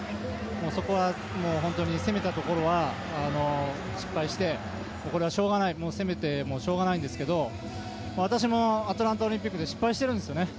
そこは攻めたところは失敗してこれはしょうがない責めてもしょうがないんですが私もアトランタオリンピックで失敗してるんですよね。